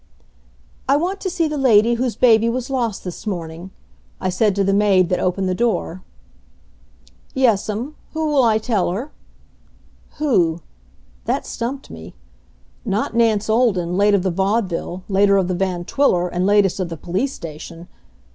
"I want to see the lady whose baby was lost this morning," I said to the maid that opened the door. "Yes'm. Who'll I tell her?" Who? That stumped me. Not Nance Olden, late of the Vaudeville, later of the Van Twiller, and latest of the police station.